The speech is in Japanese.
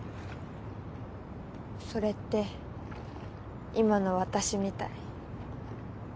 それって今の私みたい。